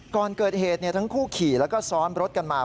ก่อนเกิดเหตุทั้งคู่ขี่แล้วก็ซ้อนรถกันมา